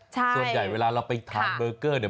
ส่วนใหญ่เวลาเราไปทานเบอร์เกอร์เนี่ย